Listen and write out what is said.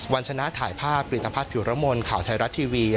วันชนะถ่ายภาพปริศนภาษณ์ผิวระมนข่าวไทยรัฐทีวี